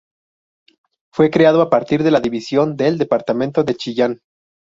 Fue creado a partir de la división del Departamento de Chillán.